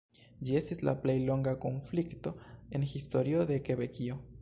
Ĝi estis la plej longa konflikto en historio de Kebekio.